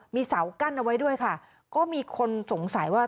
มีเสากั้นเอาไว้ด้วยค่ะก็มีคนสงสัยว่า